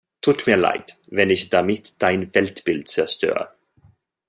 Tut mir leid, wenn ich damit dein Weltbild zerstöre.